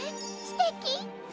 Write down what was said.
すてき？